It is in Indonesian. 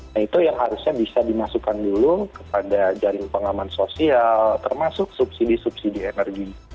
nah itu yang harusnya bisa dimasukkan dulu kepada jaring pengaman sosial termasuk subsidi subsidi energi